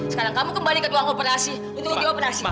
sekarang kamu kembali ke ruang operasi untuk dioperasikan